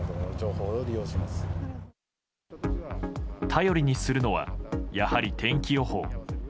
頼りにするのはやはり天気予報。